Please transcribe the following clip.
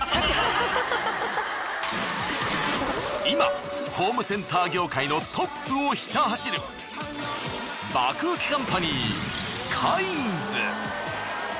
今ホームセンター業界のトップをひた走る爆ウケカンパニーカインズ。